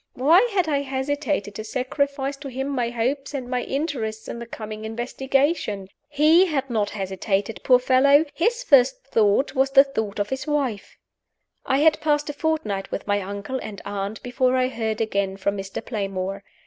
Why had I hesitated to sacrifice to him my hopes and my interests in the coming investigation? He had not hesitated, poor fellow his first thought was the thought of his wife! I had passed a fortnight with my uncle and aunt before I heard again from Mr. Playmore.